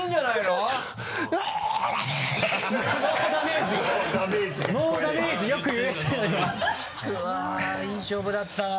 うわっいい勝負だったな。